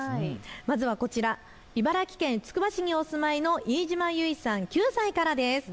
まずは茨城県つくば市にお住まいのいいじまゆいさん、９歳からです。